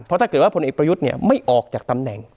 เพราะถ้าเกิดว่าพลเอกประยุทธ์ไม่ออกจากตำแหน่ง